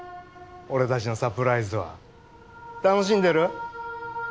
俺達のサプライズは楽しんでる？